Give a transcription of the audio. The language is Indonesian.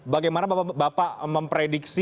bagaimana bapak memprediksi